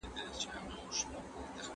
په هر حالت کي پر مثبتو پایلو فکر وکړئ.